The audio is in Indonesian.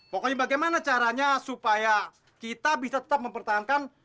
pokoknya bagaimana caranya supaya kita bisa tetap mempertahankan